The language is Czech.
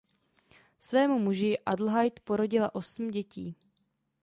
Svému muži Adelheid porodila osm dětí.